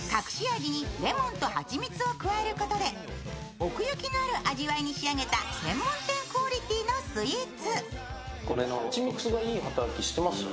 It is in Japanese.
隠し味にレモンと蜂蜜を加えることで奥行きのある味わいに仕上げた専門店クオリティーのスイーツ。